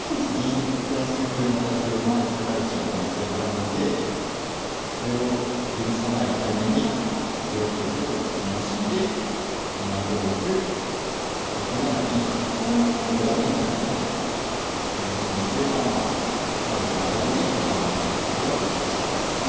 銀プラス歩の形をまた作られちゃう可能性があるのでそれを許さないために６六歩と突きまして７五歩６七銀ともう五段目に出させないというふうにすれば悪くならずに序盤を乗り切ることができました。